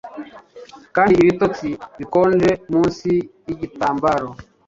kandi ibitotsi bikonje munsi yigitambaro